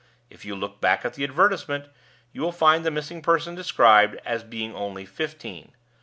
If you look back at the advertisement, you will find the missing person described as being only fifteen.